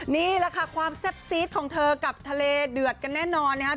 นี่แหละค่ะความแซ่บซีดของเธอกับทะเลเดือดกันแน่นอนนะครับ